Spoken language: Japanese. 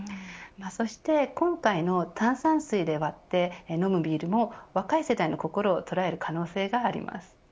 そして今回の炭酸水で割って飲むビールも若い世代の心を捉える可能性があります。